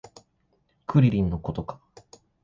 クリリンのことか